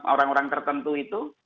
orang orang tertentu itu